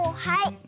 はい。